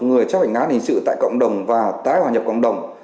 người chấp hành án hình sự tại cộng đồng và tái hòa nhập cộng đồng